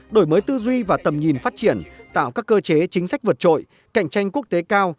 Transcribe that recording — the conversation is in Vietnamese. đổi mới tư duy và tầm nhìn phát triển tạo các cơ chế chính sách vượt trội cạnh tranh quốc tế cao